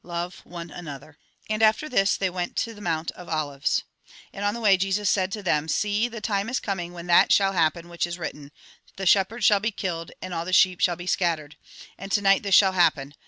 Love one another." And after this, they went to the Mount of Olives. And on the way Jesus said to them :" See, the time is coming when that shall happen which is written, the shepherd shall be killed, and all the sheep shall be scattered. And to night this shall happen.